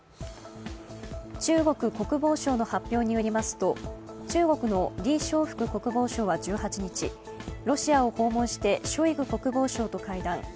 中国国防相の発表によりますと中国の李尚福国防相は１８日、ロシアを訪問してショイグ国防相と会談。